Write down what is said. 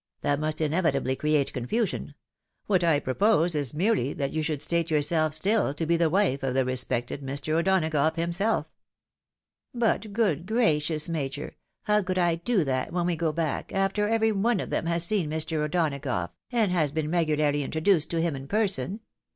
That must inevitably create confusion. What I propose, is merely that you should state yourself still to be the wife of the respected Mr. O'Donagough himself." 28 THE AVIDOW MARRIED. " But, good gracious, Major, how could I do that when we go back, after every one of them has seen Mr. O'Donagough, and has been regularly introduced to him in person